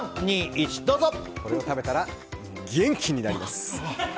これを食べたら元気になります。